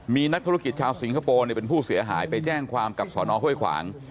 มีนักธุรกิจชาวสิงคโปร์เป็นผู้เสียหายไปแจ้งความกับสอนอห้วยขวาง